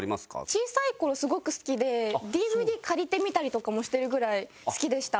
小さい頃すごく好きでＤＶＤ借りて見たりとかもしてるぐらい好きでした。